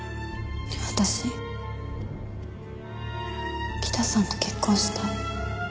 私北さんと結婚したい。